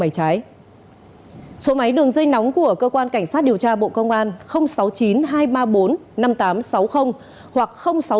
mái trái số máy đường dây nóng của cơ quan cảnh sát điều tra bộ công an sáu chín hai ba bốn năm tám sáu hoặc